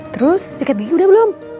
terus sikat gigi udah belum